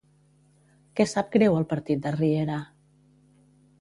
Què sap greu al partit de Riera?